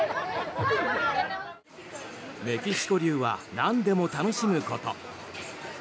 メキシコ流はなんでも楽しむこと。